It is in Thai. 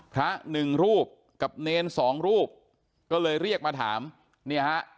พระหนึ่งรูปกับเนรสองรูปก็เลยเรียกมาถามเนี่ยฮะ